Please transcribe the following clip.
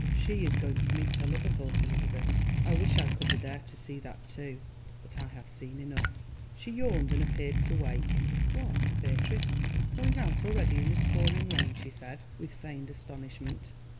"She is going to meet her lover," thought Elizabeth. "I wish I could be there to see that too, but I have seen enough." She yawned and appeared to wake. "What, Beatrice, going out already in this pouring rain?" she said, with feigned astonishment.